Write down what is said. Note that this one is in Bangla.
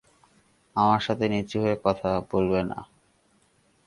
আমার সাথে নিচু হয়ে কথা বলবে না।